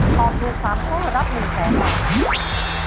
ตอบคลุก๓ข้อรับ๑แสนบาท